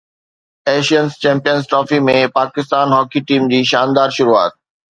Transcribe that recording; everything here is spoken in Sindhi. Asian champions trophy ۾ Pakistan hockey team جي شاندار شروعات